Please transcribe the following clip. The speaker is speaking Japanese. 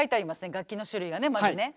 楽器の種類がねまずね。